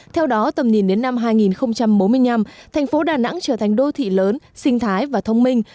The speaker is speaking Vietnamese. theo đó tầm nhìn đến năm hai nghìn bốn mươi năm thành phố đà nẵng trở thành đô thị lớn sinh thái và thông minh